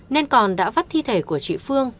nên còn đã vắt thi thể của chị phương